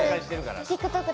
ＴｉｋＴｏｋ